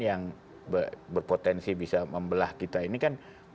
yang berpotensi bisa membelah kita ini kan